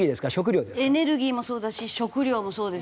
エネルギーもそうだし食料もそうです。